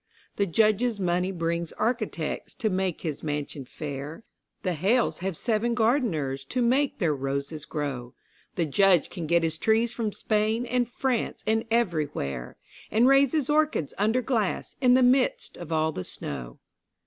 The Judge's money brings architects to make his mansion fair; The Hales have seven gardeners to make their roses grow; The Judge can get his trees from Spain and France and everywhere, And raise his orchids under glass in the midst of all the snow.